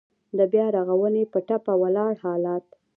د بيا رغونې په ټپه ولاړ حالات.